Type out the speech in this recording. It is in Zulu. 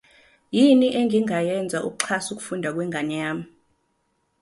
Yini engingayenza ukuxhasa ukufunda kwengane yami?